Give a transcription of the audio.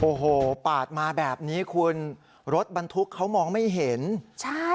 โอ้โหปาดมาแบบนี้คุณรถบรรทุกเขามองไม่เห็นใช่